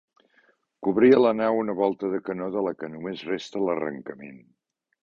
Cobria la nau una volta de canó de la que només resta l'arrencament.